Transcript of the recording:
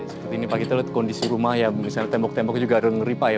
seperti ini pak kita lihat kondisi rumah yang misalnya tembok tembok juga ada ngeri pak ya